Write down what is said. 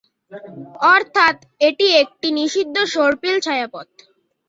অর্থাৎ, এটি একটি নিষিদ্ধ সর্পিল ছায়াপথ।